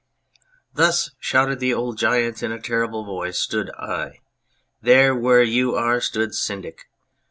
" Thus," shouted the old giant in a terrible voice, "stood 1. There where you are stood the Syndic.